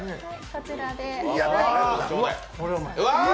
こちらで。